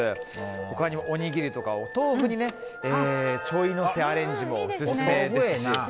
他にも、おにぎりとかお豆腐にちょいのせアレンジもオススメです。